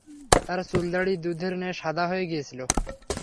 তার চুল-দাড়ি দুধের ন্যায় সাদা হয়ে গিয়েছিল।